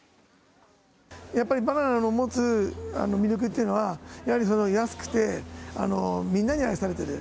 やっぱりバナナの持つ魅力っていうのは、やはり安くて、みんなに愛されている。